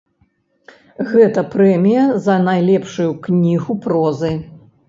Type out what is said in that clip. Гэта прэмія за найлепшую кнігу прозы.